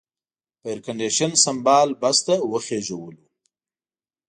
په ایرکنډېشن سمبال بس ته وخېژولو.